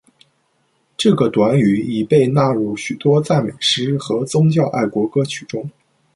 这个短语已被纳入许多赞美诗和宗教爱国歌曲中。